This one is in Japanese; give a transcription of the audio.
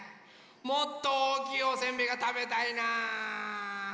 もっとおおきいおせんべいがたべたいな。